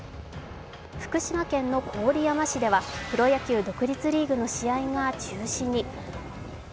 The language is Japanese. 福島県の郡山市ではプロ野球独立リーグの試合が中止に。